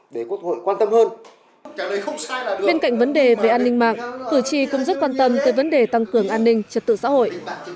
bên cạnh vấn đề về an ninh mạng cử tri cũng rất quan tâm tới vấn đề tăng cường an ninh trật tự xã hội